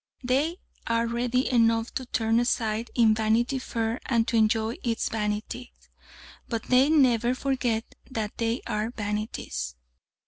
They are ready enough to turn aside in Vanity Fair and to enjoy its vanities, but they never forget that they are vanities.